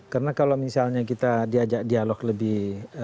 karena kalau misalnya kita diajak dialog lebih